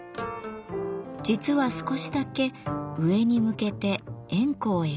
実は少しだけ上に向けて円弧を描いています。